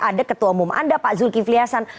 ada ketua umum anda pak zulkifli hasan